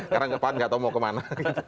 karena ke pan nggak tahu mau kemana